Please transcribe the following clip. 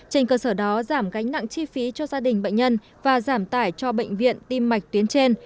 trên cơ sở đó giảm gánh nặng chi phí cho gia đình bệnh nhân và giảm tải cho bệnh viện tim mạch tuyến trên